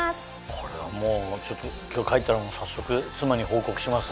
これはもう今日帰ったら早速妻に報告します。